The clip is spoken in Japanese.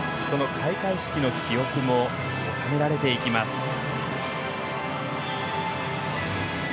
その開会式の記憶も収められていきます。